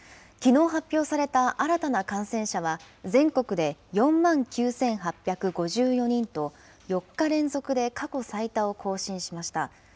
きのう発表された新たな感染者は全国で４万９８５４人と、４日連続で過去最多を更新しました。